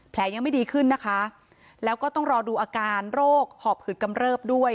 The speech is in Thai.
ยังไม่ดีขึ้นนะคะแล้วก็ต้องรอดูอาการโรคหอบหืดกำเริบด้วย